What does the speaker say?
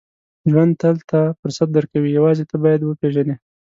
• ژوند تل ته فرصت درکوي، یوازې ته باید یې وپېژنې.